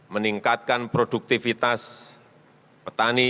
meningkatkan produktivitas petani